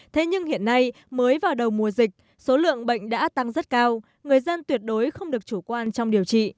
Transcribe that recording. thế nhưng hiện nay mới vào đầu mùa dịch số lượng bệnh đã tăng rất cao người dân tuyệt đối không được chủ quan trong điều trị